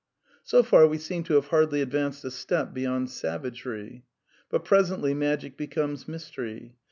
So far we seem to have hardly advanced a step beyond savagery. But presently Magic becomes Mystery.